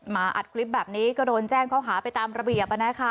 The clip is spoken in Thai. อัดคลิปแบบนี้ก็โดนแจ้งข้อหาไปตามระเบียบ